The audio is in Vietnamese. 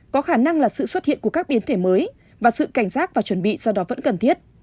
có khả năng là sự xuất hiện của các biến thể mới và sự cảnh giác và chuẩn bị do đó vẫn cần thiết